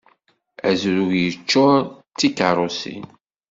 Azrug yeččur d tikeṛṛusin.